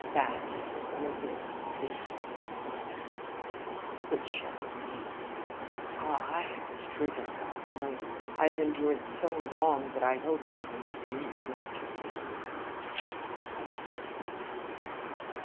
That or this; this or that. Which shall it be? Ah! I have striven, God knows. I have endured so long that I hoped even to do so to the end. But to day!